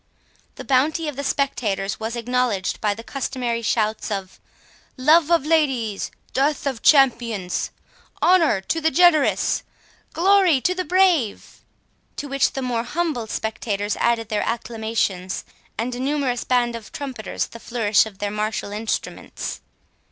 The bounty of the spectators was acknowledged by the customary shouts of "Love of Ladies—Death of Champions—Honour to the Generous—Glory to the Brave!" To which the more humble spectators added their acclamations, and a numerous band of trumpeters the flourish of their martial instruments.